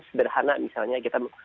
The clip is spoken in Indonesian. sederhana misalnya kita